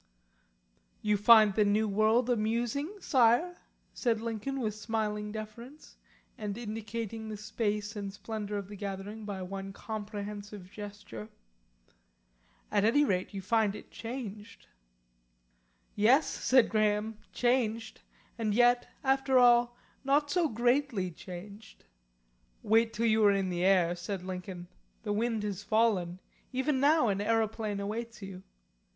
"You find the new world amusing, Sire?" asked Lincoln, with smiling deference, and indicating the space and splendour of the gathering by one comprehensive gesture. "At any rate, you find it changed." "Yes," said Graham, "changed. And yet, after all, not so greatly changed." "Wait till you are in the air," said Lincoln. "The wind has fallen; even now an aeroplane awaits you."